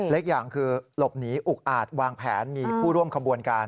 เล็กอย่างคือหลบหนีอุกอาจวางแผนมีผู้ร่วมขบวนการ